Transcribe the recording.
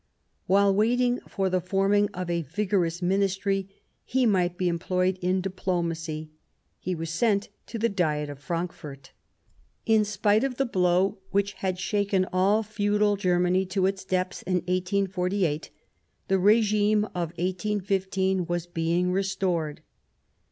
While waiting for the forming of a vigorous Ministry he might be employed in diplomacy : he was sent to the Diet of Frankfort. In spite of the blow which had shaken all feudal Germany to its depths in 1848, the regime of 18 15 was being restored.